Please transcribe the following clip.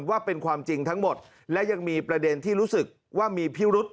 ว่าเป็นความจริงทั้งหมดและยังมีประเด็นที่รู้สึกว่ามีพิรุษ